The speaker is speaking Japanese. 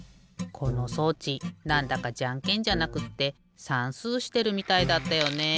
この装置なんだかじゃんけんじゃなくってさんすうしてるみたいだったよね。